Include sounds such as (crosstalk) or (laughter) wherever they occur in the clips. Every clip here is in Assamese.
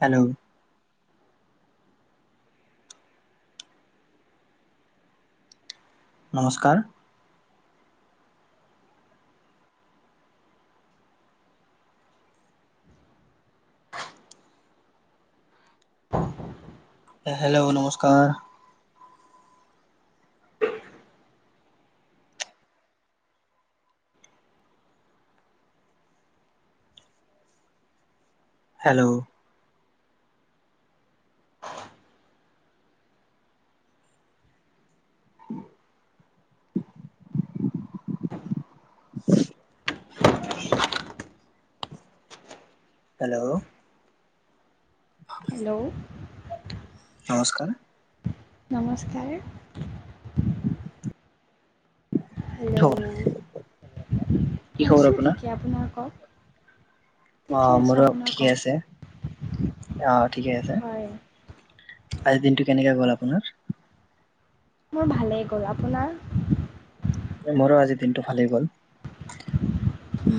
হেল্ল' নমস্কাৰ হেল্ল' নমস্কাৰ হেল্ল' উ (unintelligible) (unintelligible) (unintelligible) হেল্ল' হেল্ল' নমস্কাৰ নমস্কাৰ ধ হেল্ল' আছোঁ ঠিকে আপোনাৰ কওক ঠিকে আহ আছোঁ মোৰো আপোনাৰ ঠিকেই কওক আছে আহ ঠিকে আছে হয় আজিৰ দিনটো কেনেকে গ'ল আপোনাৰ মোৰ ভালেই গ'ল আপোনাৰ মোৰো আজি দিনটো ভালেই গ'ল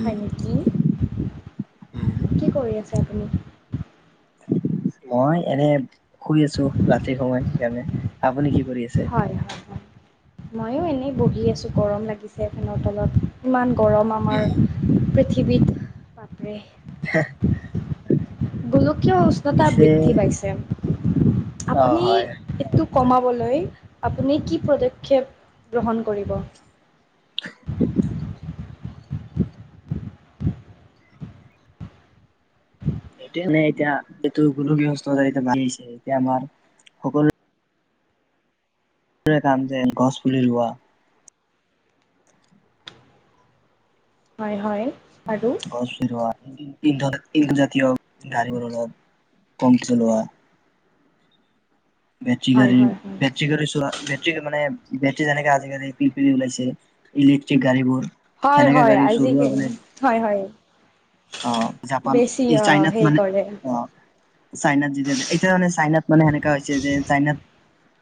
হয় নেকি উম কি কৰি আছে আপুনি মই এনে শুই আছো ৰাতি সময় সেইকাৰণে আপুনি কি কৰি আছে মইয়ো এনেই বহি আছো গৰম লাগিছে ফেনৰ তলত ইমান গৰম উম। আমাৰ পৃথিৱীত বাপৰে। গোলকীয় উষ্ণতা পিছে বৃদ্ধি পাইছে। অ আপুনি হয় এইটো কমাবলৈ আপুনি কি পদক্ষেপ গ্ৰহণ কৰিব? সেইটো মানে এতিয়া এইটো গৰু গৃহস্থতা এতিয়া বান্ধি আহিছে, এতিয়া মই সকলো সকলোৰে কাম যেন গছ পুলি ৰোৱা হয় হয়। আৰু আশীৰ্বাদ ইন্ধন জাতীয় গাড়ীবোৰ অলপ কম চলোৱা বেটেৰী হয় গাড়ী, হয় হয় বেটেৰী গাড়ী চোৱা বেট্ৰী মানে বেটৰী যেনেকে আজিকালি পিল পিলি ওলাইছে ইলেক্ট্ৰিক গাড়ীবোৰ হয় সেনেকা হয় গাড়ী চলোৱা আজিকেনি মানে হয় হয়। অ জাপান বেছি এই অ চাইনাত হেৰি মানে কৰে অ চাইনাত যেতিয়া এতিয়া মানে চাইনাত মানে সেনেকা হৈছে যে চাইনাত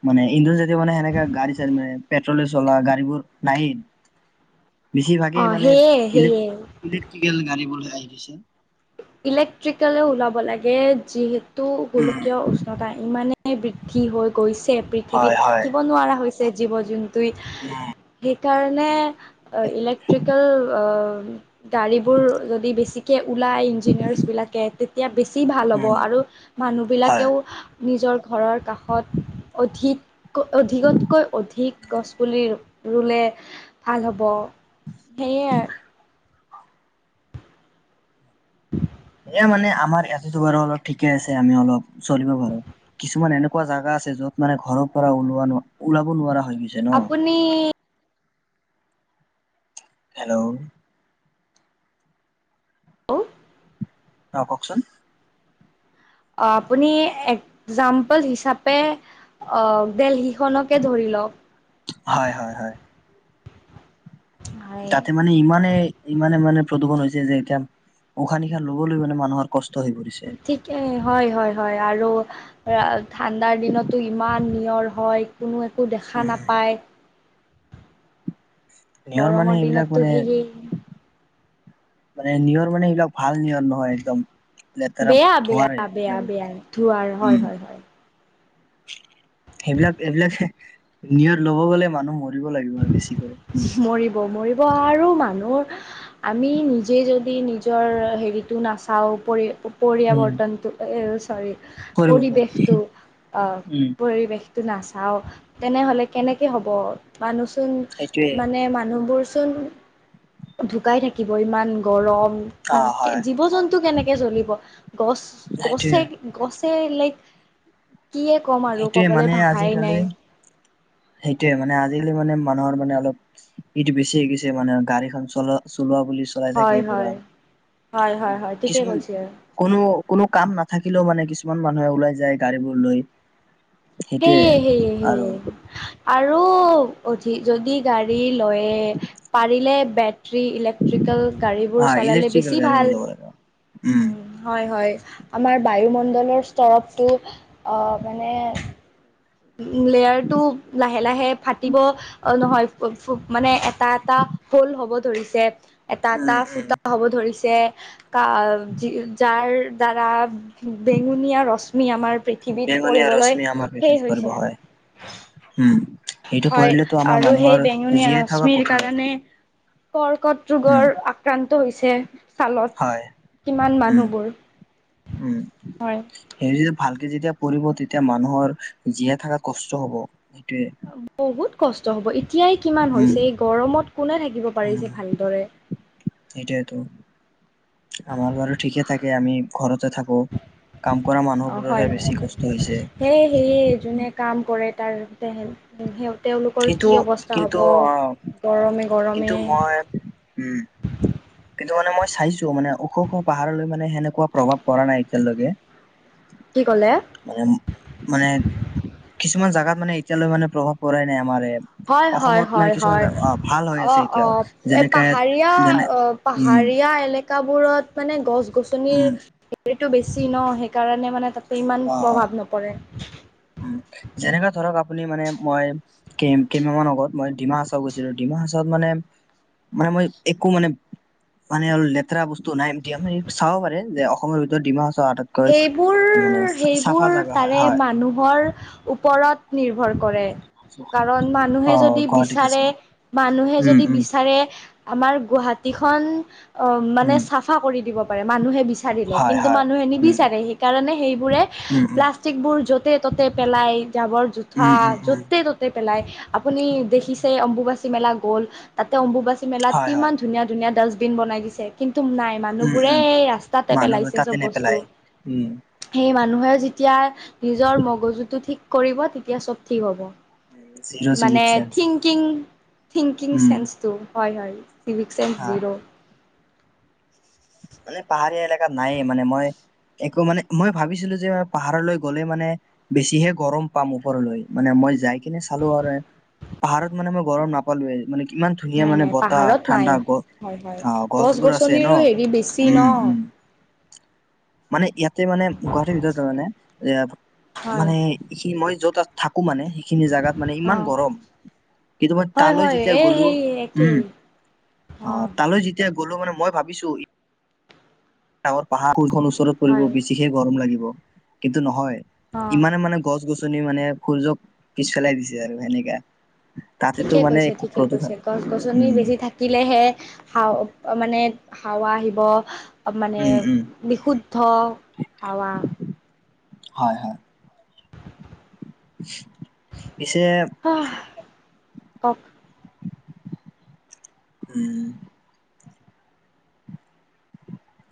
মানে ইন্ধন জাতীয় মানে সেনেকা গাড়ী চাড়ী মানে পেট্ৰলে চলা গাড়ীবোৰ নায়েই অ বেছিভাগেই মানে সেয়ে ইলেক সেয়ে ইলেক্ট্ৰিকেল গাড়ীবোৰ আহি গৈছে। ইলেক্ট্ৰিকলে ওলাব লাগে, যিহেতু উম গোলকীয় উষ্ণতা ইমানে বৃদ্ধি হৈ গৈছে হয় পৃথিৱীত থাকিব নোৱাৰা হৈছে জীৱ- জন্তু উ কাৰণে ইলেক্ট্ৰিকেল গাড়ীবোৰ যদি বেছিকে ওলাই ইঞ্জিনিয়াৰছ বিলাকে তেতিয়া বেছি ছি ভাল হ'ব উম আৰু মানুহ হয় বিলাকেও নিজৰ ঘৰৰ কাষত অধিক অধিকতকৈ অধিক গছ পুলি ৰুলে ভাল হ'ব সেয়া। এ মানে আমাৰ ইয়াতেতো বাৰু অলপ ঠিকে আছে আমি অলপ চলিব পাৰো, কিছুমান এনেকুৱা জাগা আছে য'ত মানে ঘৰৰ পৰা ওলোৱা ওলাব নোৱাৰা হৈ গৈছে ন। আপুনি হেল্ল' হেল্ল' আহ কওকচোন আপুনি একজাম্পল হিচাপে অ ডেলহি খনকে ধৰি লওক। হয় হয় হয়। হয় তাতে মানে ইমানে ইমানে মানে প্ৰদূষণ হৈছে যে এতিয়া উশাহ নিশাহ লবলৈ মানে মানুহৰ কষ্ট হৈ পৰিছে। ঠিক হয় হয় হয় আৰু আহ ঠাণ্ডাৰ দিনতো ইমান নিয়ৰ হয় কোনো একো দেখা উম নাপায়। নিয়ৰ মানে গৰমৰ এইবিলাক দিনতো মানে সেয়েই। মানে নিয়ৰ মানে সেইবিলাক ভাল নিয়ৰ নহয় একদম লেতেৰা বেয়া ধোৱাৰে বেয়া বেয়া লাগি বেয়া ধোৱাৰ গৈছে হয় ওম হয় হয় সেইবিলাক এইবিলাক নিয়ৰ ল'ব গ'লে মানুহ মৰি মৰিব লাগিব আৰু বেছি কৰে। মৰিব মৰিব আৰু মানুহ আমি নিজে যদি নিজৰ হেৰিটো নাচাওঁ পৰি উম পৰিয়াৱৰ্তনটো চৰি কৰিব পৰিৱেশটো আহ উম পৰিৱেশ নাচাওঁ তেনেহলে কেনেকে হ'ব মানুহচোন সেইটোৱে মানে মানুহবোৰ চোন ঢুকাই থাকিব ইমান গৰম। অ হয় জীৱ -জন টো কেনেকে জ্বলিব গছ গছে সেইটোয়ে গছে লাইক কিয়ে ক'ম আৰু সেইটোয়ে ক'বলৈ মানে ভাষাই আজিকালি নাই। সেইটোয়ে মানে আজিকালি মানে মানুহৰ মানে অলপ ইটো বেছি হৈ গৈছে মানে গাড়ীখন চলোৱা চলোৱা বুলি চলাই থাকি হয় পুৰা হয় হয় হয় হয় ঠিকে কিছুমান কৈছে কোনো কোনো কাম নাথাকিলেও মানে কিছুমান। কিছুমান মানুহে ওলাই যায় গাড়ীবোৰ লৈ। সেইটোয়ে সেইয়ে সেইয়ে আৰু সেইয়ে। আৰু অধি যদি গাড়ী লৈ পাৰিলে বেত টি ইলেক্ট্ৰিকেল হা গাড়ীবোৰ চলালে ইলেক্ট্ৰিকেল বেছি গাড়ীবোৰ ভাল ল'ব লাগে উম হয় হয়। আমাৰ বায়ুমণ্ডলৰ স্তৰফটো অ মানে উ লেয়াৰ টো লাহে লাহে ফাটিব নহয় মানে। এটা এটা হল হ'ব ধৰিছে এটা এটা উম উম ফুটা হব ধৰিছে। আ যাৰ দ্বাৰা। বেঙুনীয়া ৰশ্মি আমাৰ পৃথিৱীত বেঙুনীয়া পৰিবলৈ ৰশ্মি আমাৰ শেষ বিশেষ হৈছে। হয় উম। সেইটো হয় কৰিলেতো আমাৰ আৰু সেই মানুহৰ বেঙুনীয়া জীয়াই থকা ৰশ্মিৰ কঠিন। কাৰণে কৰ্কট উম ৰোগৰ আক্ৰান্ত হৈছে। চালত, হয় কিমান উম মানুহবোৰ উম হয়। হেৰি ভালকে যেতিয়া পঢ়িব তেতিয়া মানুহৰ জীয়াই থকাত কষ্ট হব। সেইটোয়ে বহুত কষ্ট হব এ এতিয়াই কিমান উম হৈছে এই গৰমত কোনে থাকিব উম পাৰিছে ভালদৰে। সেইটোয়েতো আমাৰ বাৰু ঠিকেই থাকে আমি ঘৰতে থাকো। কাম কৰা অ মানুহবোৰৰহে হয় বেছি হয় কষ্ট হৈছে সেইয় সেয়ে যোনে উম, কাম কৰে তাৰ। তেওঁলোকৰ কিন্তু কি অৱস্থা হ'ব কিন্তু অ গৰমে। গৰমে কিন্তু মই উম। কিন্তু মানে মই চাইছো মানে ওখ ওখ পাহাৰলৈ মানে সেনেকুৱা প্ৰভাৱ পৰা নাই এতিয়ালৈকে। কি ক'লে মানে মানে কিছুমান জাগাত মানে এতিয়ালৈ মানে প্ৰভাৱ পৰা নাই আমাৰ হয় হয় অসমত মানে হয় কিছুমান হয় ভাল হৈ অ আছে অ এতিয়াও এ যেনেকে পাহাৰীয়া যেনে অ। উম পাহাৰীয়া এলেকাবোৰত মানে গছ গছনিৰ উম হেৰিত। টো বেছি ন সেইকাৰণে মানে তাতে ইমান প্ৰভাৱ নপৰে। উ যেনেকাে ধৰক আপুনি মানে মই কেইমাহান আগত মই ডিমা হাছাও গৈছিলো ডিমা। তাৰ পাছত মানে- মানে মই একো মানে মানে অল লেতেৰা বস্তু নাই মান চাব পাৰে যে অসমৰ ভিতৰত ডিমা হাছাও সেইবোৰ সেইবোৰ জাগা হয়, তাৰে হয়। মানুহৰ। ওপৰত নিৰ্ভৰ কৰে। কাৰণ মানুহে অ', যদি গুৱাহাটীত আছে, বিচাৰে মানুহে উম, যদি উম, বিচাৰে। আমাৰ গুৱাহাটী খন অ মানে উম, চাফা কৰি দিব পাৰে মানুহে বিচা- বিচাৰিলে হয়, কিন্তু হয়, মানুহে উম, নিবিচাৰে হেই কাৰণে হেই বুৰে উম, উম। পালাষ্টিক বোৰ যত ততে ততে পেলাই জাবৰ জোঠা উম, উম, উম, য'তে ত'তে পেলাই আপুনি দেখিছে অম্বুবাচী মেলা গ'ল তাতে অম্বুবাচী মেলাত হয়, হয়, কিমান ধুনীয়া ধুনীয়া ডাষ্টবিন বনাই দিছে কিন্তু। তুম নাই উম, মানুহবোৰে উম, এই ৰাস্তাতে মানুহবোৰ পেলাইছে তাতে চব বস্তু। নেপেলাই। উম। এই মানুহে যেতিয়া নিজৰ মগজুটো ঠিক কৰিব, তেতিয়া চব ঠিক হ'ব। জিৰ' চিভিক মানে চেন্স, থিংকিং। থিংকিং উম, চেন্সটো হয় হয় চিভিক চেন্স হা। জিৰ'। মানে পাহাৰীয়া এলেকাত নাইয়ে মানে মই। একো মানে মই ভাবিছিলো যে পাহাৰলৈ গ'লে মানে বেছিহে গৰম পাম ওপৰলৈ মানে। মই যাই কিনে চালো আৰু পাহাৰত মানে মই গৰম নাপালোয়ে মানে। কিমান ধুনীয়া নাই মানে নাই বতাহ পাহাৰত নাই। ঠাণ্ডা গছ হয় হয় অ গছ গছবোৰ আছে ন। গছনিৰো হেৰি বেছি ন উম উম, মানে ইয়াত মানে গুৱাহাটীৰ ভিতৰত ত মানে হয় মানে এইখিনি মই যত তাত থাকো। একো মানে সেইখিনি জোগাত মানে অ ইমান গৰম। কিন্তু মই হয় তালৈ হয় যেতিয়া এই গ'লো সেই উম একেই অ তালৈ যেতিয়া গ'লো মানে মই ভাবিছো ডাঙৰ পাহাৰ কোনখন ওচৰত পৰিব হয় বেছিহে গৰম লাগিব কিন্তু নহয় অ ইমানে মানে গছ গছনি মানে সূৰ্যক পিছপেলাই দিছে আৰু সেনেকা তাতেতো ঠিকে মানে কৈছে একো ঠিকে কৈছে প্ৰদূষণ গছ গছনি বেছি উম থাকিলেহে হাও মানে হাৱা আহিব মানে উম উম বিশুদ্ধ হাৱা হয় হয় পিছে কক উম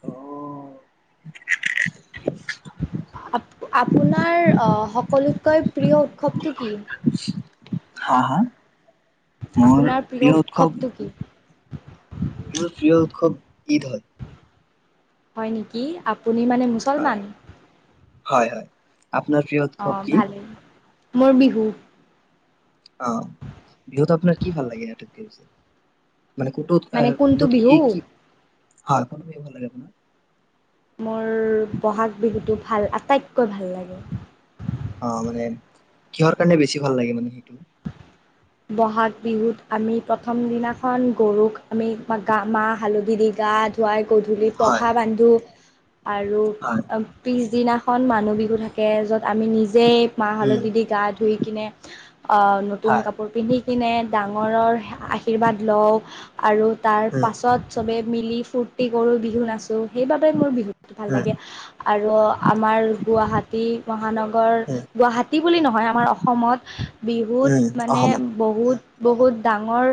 অ (inaudible) আপোনাৰ সকলোতকৈ প্ৰিয় উৎসৱটো কি? হা হা মোৰ আপোনাৰ প্ৰিয় উৎসৱ উৎসৱটো কি? প্ৰিয় উৎসৱ ঈদ হয়। হয় নেকি আপুনি মানে মুছলমান হয় হয় হয় আপোনাৰ প্ৰিয় উৎসৱ অ' কি? ভালেই। মোৰ বিহু অ বিহুত আপোনাৰ কি ভাল লাগে আটাইতকৈ বেছি মানে মানে কোনটো ক'তোত বিহু? কি কি হা কৰিব ভাল লাগে আপোনাক মোৰ বহাগ বিহুটো ভাল আটাইতকৈ ভাল লাগে অ মানে কিহৰ কাৰণে বেছি ভাল লাগে মানে সেইটো বহাগ বিহুত আমি প্ৰথম দিনাখন গৰুক আমি গা মাহ হালধি দি গা পুৱাই গধূলি হয় পঘা বান্ধো আৰু হয়, পিছদিনা এখন মানুহ বিহু থাকে য'ত আমি নিজেই মাহ উম, হালধি দি গা ধুই কিনে অ নতুন হয়, কাপোৰ পিন্ধি কিনে ডাঙৰৰ আশীৰ্বাদ লওঁ আৰু তাৰ উম, পাছত চবেই মিলি ফূৰ্তি কৰোঁ বিহু নাচোঁ। সেইবাবে মোৰ বিহু ভাল উম, লাগে আৰু আমাৰ গুৱাহাটী মহানগৰ উম, গুৱাহাটী বুলি নহয় আমাৰ অসমত বিহুত উম, মানে অসমত বহুত বহুত ডাঙৰ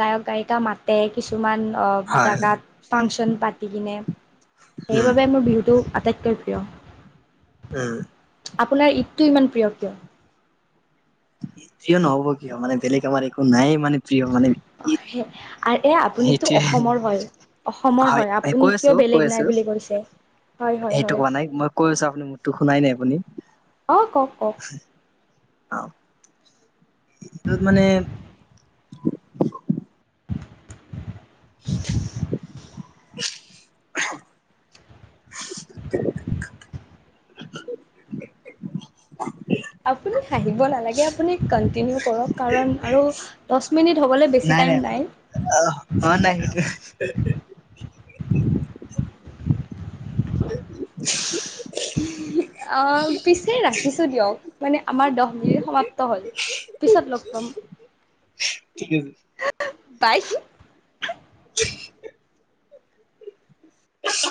গায়ক গায়িকা মাতে কিছুমান হয়, জাগাত ফাংচন পাতি কিনে উম, সেইবাবে মোৰ বিহুটো আটাইতকৈ প্ৰিয় উম আপোনাৰ ঈদটো ইমান প্ৰিয় কিয়? প্ৰিয় নহব কিয় মানে বেলেগ আমাৰ একো নাই মানে প্ৰিয় মানে ঈদ আৰু এ আপুনিতো অসমৰ হয় অসমৰ হয় এই আপুনি কৈ কিয় আছো, কৈ বেলেগ আছো নাই বুলি কৈছে হয় হয় সেইটো হয়। কোৱা নাই মই কৈ আছো আপুনি মুৰটো শুনাই নাই আপুনি? অঁ কওক কওক অ টোত মানে (unintelligible) (inaudible) (inaudible) আপুনি হাঁহিব নেলাগে আপুনি কণ্টিনিও কৰক কাৰণ আৰু দচ মিনিট হবলে বেছি টাইম নাই (inaudible) অ', অ', নাই সেইটো (unintelligible) আ পিছে ৰাখিছো দিয়ক মানে আমাৰ দহ মিনিট সমাপ্ত হ'ল পিছত লগ পাম। ঠিক আছে পাই (inaudible)